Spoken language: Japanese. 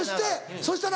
そしたら？